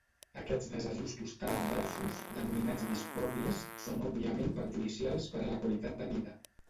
Aquests desajustos tan adversos, denominats discòrdies, són òbviament perjudicials per a la qualitat de vida.